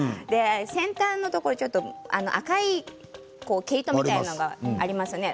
先端のところ赤い毛糸みたいなものがありますね。